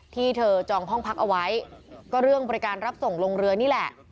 ที่เธอจองห้องพักเอาไว้ก็เรื่องบริการรับส่งลงเรือนี่แหละ